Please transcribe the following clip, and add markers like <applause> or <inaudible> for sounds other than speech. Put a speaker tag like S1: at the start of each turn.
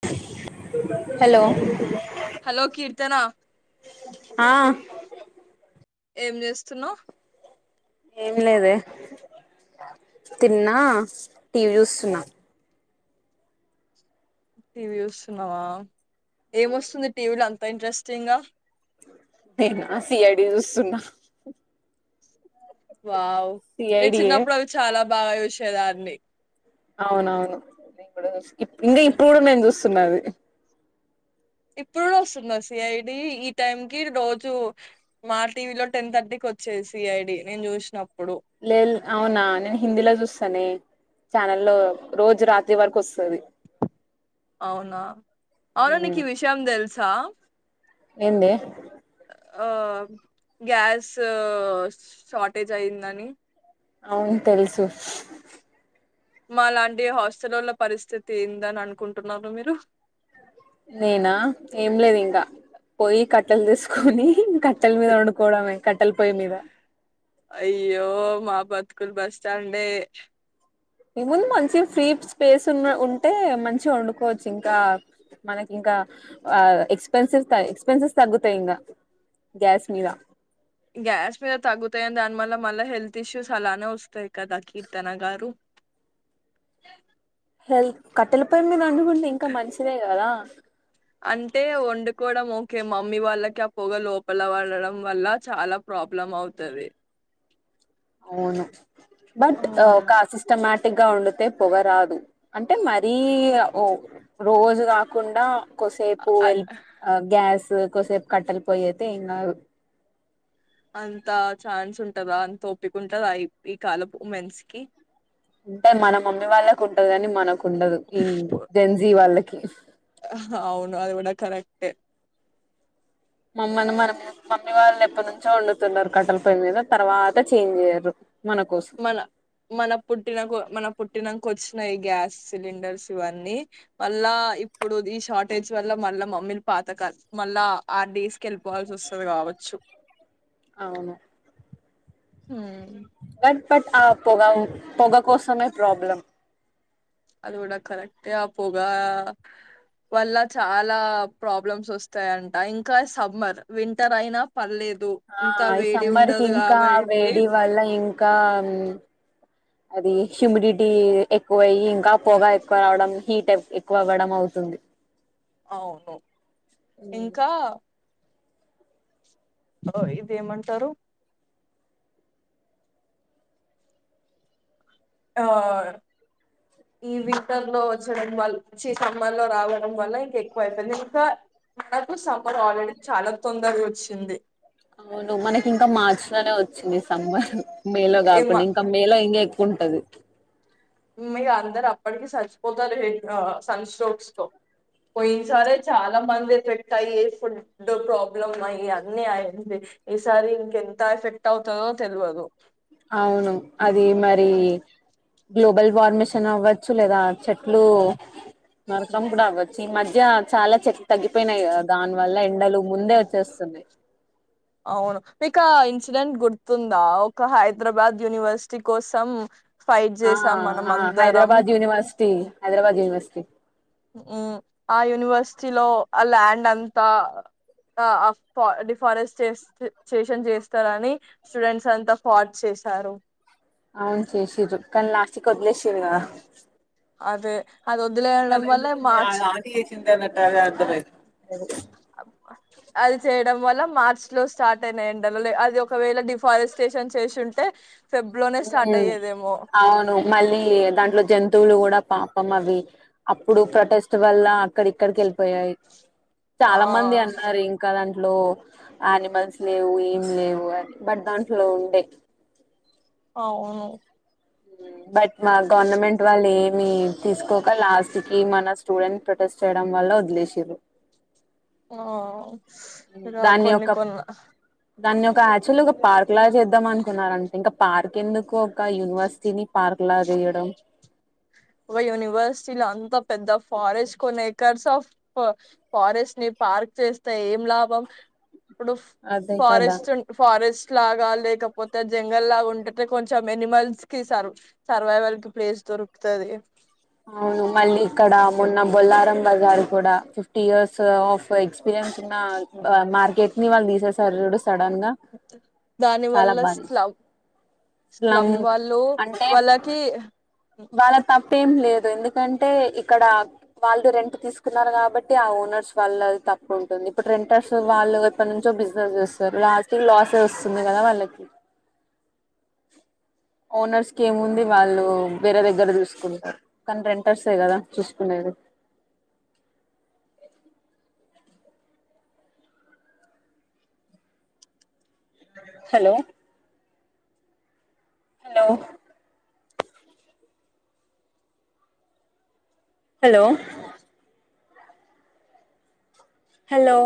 S1: <inaudible>
S2: Hello Keerthana
S1: ఆయ్
S2: ఏం చేస్తున్నవు
S1: ఏం లేదె తిన్నా టీవీ చూస్తున్నా
S2: టీవీ చూస్తున్నావా ఏమొస్తుంది టీవీలో అంత ఇంట్రెస్టింగ్
S1: నేనా సియడి చూస్తున్నా
S2: వావ్ నేన్
S1: సిఐడియే
S2: చిన్నప్పుడు అవి చాలా బాగ చూసే దాన్ని
S1: అవునవును ఇంకా ఇప్పుడు మేమ్ చూస్తా తున్నది
S2: ఇప్పుడు వస్తుందా సిఐడి ఈ టైం కి రోజు మా టీవీ లో టెన్ థర్టీకి వచ్చేది సిఐడి నేను చూసినప్పుడు
S1: లేల్ అవునా నేను హిందీలో చూస్తానే ఛానల్లో రోజు రాత్రి వరకు వస్తది
S2: అవునా అవును నీకు ఈ విషయం తెలుసు సా
S1: ఎందె
S2: ఓ గ్యాస్ షార్టేజ్ అయ్యందని
S1: అవున్ తెలుసు
S2: మా లాంటి హాస్టలోల్ల పరిస్థితి ఏందని అనుకుంటున్నారు మీరు
S1: నేనా ఏం లేదు ఇంకా పోయి కట్టెలు తీసుకొని ఇంక కట్టెల మీద వండుకోవడమే కట్టల పొయ్యి మీద
S2: అయ్యో మ బతుకుల్ బస్ స్టాండే
S1: ఈ ముందు మంచి ఫ్రీ స్పేస్ ఉ ఉంటే మంచిగా వండుకోవచ్చు ఇంకా మనకి ఇంకా ఎక్స్పెన్సివ్ ఎక్స్పెన్సివ్ తగ్గుతయి ఇంకా గ్యాస్ మీద
S2: గ్యాస్ మీద తగ్గుతాయని దాని మల్ల మళ్ళ హెల్త్ ఇష్యూస్ అలానే వస్తయి కదా కీర్తన గారు
S1: హెల్ కట్టల పోయి మీ వండుకుంటే ఇంకా మంచిదే కదా
S2: అంటే వండుకోడం ఓకే మమ్మీ వాళ్ళకి ఆ పొగ లోపల పడడం వల్ల చాలా ప్రాబ్లం అవుతది
S1: అవును
S2: ఆ
S1: బట్ అ ఒక సిస్టమా టిగా ఉండితే పొగరాదు అంటే మరీ ఓ రోజు కాకుండ కొసేపు
S2: అ
S1: వెల్ గ్యాస్ కొసేప్ కట్టలు పోయ్యి అయితే ఏం కాదు
S2: అంత ఛాన్స్ ఉంటదా అంత ఒప్పిక ఉంటదా ఈ కాలం ఉమెన్స్ కి
S1: అంటే మన మమ్మీ వాళ్ళకు ఉంటది కాని మనకు ఉండదు ఈ డేన్జీ వాళ్ళకి ఓక <unintelligible>
S2: అవును అది కూడా కూడా కరెక్టే
S1: మమ్మల్ని మన మమ్మీ వాళ్ళని ఎప్పటి నుంచో వండుతున్నారు. కట్టల పొయ్య మీద తర్వాత చేంజ్ చేయరు. మన కోసం
S2: మన మన పుట్టినకు మన పుట్టినకో వచ్చి యి గ్యాస్ సిలిండర్స్ ఇవన్నీ మళ్ళా ఇప్పుడు ఈ షార్టేజ్ వల్ల మళ్ళ మమ్మీలు పాత క మళ్ళా ఆడేస్ కి వెళ్ళిపోవాల్సి వస్తుంది కావచ్చు.
S1: అవును
S2: ఊ
S1: బర్త్ బట్ ఆ పొగ పొగ కోసమే ప్రాబ్లం
S2: అది కూడా కరెక్ట్గా పొగా వల్ల చాలా ప్రాబ్లమ్స్ వస్తాయంట. ఇంకా సమ్మర్ వింటర్ అయినా పర్లేదు.
S1: ఆ
S2: ఇంత
S1: ఈ
S2: వేడి
S1: సమ్మర్కి
S2: ఉండదు
S1: ఇంకా
S2: కాబట్టి
S1: వేడివల్ళ ఇంకా ఇంకా అది హ్యూమిడిటీ ఎక్కువయ్యి ఇంకా పొగా ఎక్కువ రావడం, హీట్ ఎక్కువ అవ్వడం అవుతుంది.
S2: అవును ఇంకా ఓ ఇదేమంటారు ఆ ఈ వింటర్ లో వచ్చడం వల్లచ్చ సమ్మర్ లో రావడం వల్ల ఇంకా ఎక్కువ అయిపోయింది. ఇంకా సమ్మర్ ఆల్రెడి చాలా తొందరగాంది వచ్చింది
S1: అవును మనకి ఇంకా మార్చి లోనే వచ్చింది. సబర్ మేలో కాకుండా ఇంకా మేలో ఇంక్ ఉంటది.
S2: మీ అందరు అప్పటికి సచ్చిపోతారు హెడ్ సన్ స్ట్రోక్స్ తో, పోయిన సరే చాలా మంది ఎఫెక్ట్ అయ్యి ఫుడ్ ప్రాబ్లమ్ అయి అన్ని అయింది. ఈసారి ఇంకెంత ఎఫెక్ట్ అవుతందో తెలియదు.
S1: అవును అది మరి గ్లోబల్ వార్మిషన్ అవ్వచ్చు, లేదా చెట్లు నరకడం కూడా అవ్వచ్చు. ఈ మధ్య చాలా చెట్లు తగ్గిపోయినాయి దాని వల్ల ఎండలు ముందే వచ్చేస్తున్నాయి.
S2: అవును మీకు ఇన్సిడెంట్ గుర్తుందా. ఒక హైదరాబాద్ యూనివర్సిటీ కోసం ఫైట్
S1: ఆ
S2: చేసాం మనం
S1: ఆ
S2: అందరం
S1: హైదరాబాద్ యూనివర్సిటీ, హైదరాబాద్ యూనివర్సిటీ.
S2: ఆ యూనివర్సిటీలో ఆ ల్యాండ్ అంతా ఆ డిఫారెస్ట్ చేషన్ చేస్తారని స్టూడెంట్స్ అంతా ఫార్ట్ చేశారు.
S1: అవును చేేసిరు కానీ లాస్టుకి వదిలేసుర్ ఇంగా
S2: అదే అది వదిలేయడం
S1: అనా
S2: వల్ల
S1: ఎందు సన్న
S2: మార్చ్
S1: ఆది చింత నట్ట అర్ధమయితలే
S2: అది చేయడం వల్ల మార్చ లో స్టార్ట్ అయిన ఎండలలో అది ఒకవేళ డిఫారెస్టేషన్ చేసి ఉంటే
S1: ఉ అవును మళ్ళీ దాంట్లో జంతువులు కూడా పాపం అవి అప్పుడు ప్రొటెస్ట్ వల్ల అక్కడిక్కడికి వెళ్ళిపోయాయి.
S2: ఆ
S1: చాలా మంది అన్నారు ఇంకాదంతే లో యానిమల్స్ లేవు. ఏం లేవు అని బట్ దాంట్లో ఉండే
S2: అవును
S1: బట్ మా గవర్నమెంట్ వాళ్ళు ఏమి తీసుకోక లాస్ట్ కి మన స్టూడెంట్ ప్రొటెస్ట్ చేయడం వల్ల వదిలేషిరు
S2: ఆ ఇగ
S1: దాన్ని
S2: కొన్ని
S1: ఒక
S2: కొన్నా
S1: దాన్ని ఒక యాక్చువల్ ఒక పార్క్ లాగా చేద్దాం అనుకున్నడంట ఇంకా పార్క్ ఎందుకు ఒక యూనివర్సిటీని పార్క్ లా జేయడం
S2: ఒ యూనివర్సిటీల అంత పెద్ద ఫారెస్ట్ కొనే ఎకర్స్ ఆఫ్ ఫారెస్ట్ ని పార్క్ చేస్తే ఏం లాభం ఇప్పుడు ఫ
S1: అదే కదా
S2: ఫారెస్ట్ ఫారెస్ లాగా లేకపోతే జంగల్ లాగా ఉంటే టె కొంచెం ఎనిమల్స్ కి సర్ సర్వైవల్ కి ప్లేస్ దొరుకు తది
S1: అవును మళ్ళీ ఇక్కడ మొన్న బొల్లారం బజార్ కూడా ఫిఫ్టీ ఇయర్స్ ఆఫ్ ఎక్స్పీరియన్స్ ఉన్న బ మార్కెట్ ని వాళ్ళు తీసేసారు జూడు
S2: దాని వల్ల
S1: బాధ వేసింది
S2: స్లవ్ స్లమ్ వాళ్ళు
S1: అంటే
S2: వాళ్ళకి
S1: వాళ్ళ తప్పు ఏం లేదు ఎందుకంటే ఇక్కడ వాళ్ళు రెంట్ తీసుకున్నారు కాబట్టి ఆ ఓనర్స్ వాళ్ళ తప్పు ఉంటుంది ఇప్పుడు రెంటర్స్ వాళ్ళు ఎప్పటి నుంచో బిజినెస్ చేస్తారు లాస్ట్ లాసొస్తుంది కదా వాళ్ళకి ఓనర్స్ కేముంది వాళ్ళు వేరే దగ్గర చూసుకుంటారు కానీ రెంటర్సే కదా చూసుకునేది. Hello hello hello hello